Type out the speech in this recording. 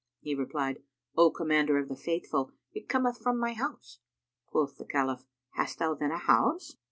He replied, "O Commander of the Faithful, it cometh from my house." Quoth the Caliph, "Hast thou then a house?"